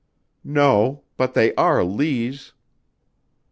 "No. But they are Lees."